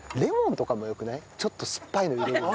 ちょっと酸っぱいの入れる。